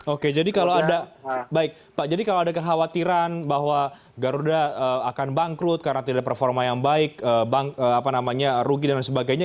oke jadi kalau ada kekhawatiran bahwa garuda akan bangkrut karena tidak ada performa yang baik rugi dan sebagainya